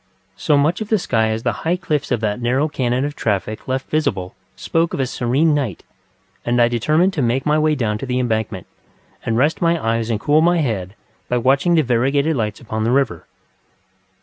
So much of the sky as the high cliffs of that narrow canon of traffic left visible spoke of a serene night, and I determined to make my way down to the Embankment, and rest my eyes and cool my head by watching the variegated lights upon the river.